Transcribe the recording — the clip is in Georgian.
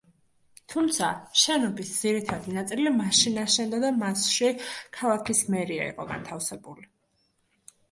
თუმცა, შენობის ძირითადი ნაწილი, მაშინ აშენდა და მასში ქალაქის მერია იყო განთავსებული.